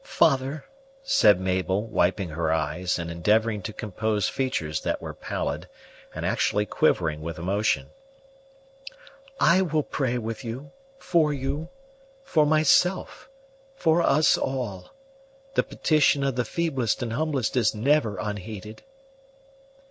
"Father," said Mabel, wiping her eyes, and endeavoring to compose features that were pallid, and actually quivering with emotion, "I will pray with you, for you, for myself; for us all. The petition of the feeblest and humblest is never unheeded."